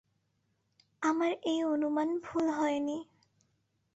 আমার এ অনুমান ভুল হয়নি।